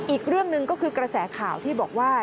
อีกเรื่องหนึ่งก็คือกระแสข่าวที่บอกว่า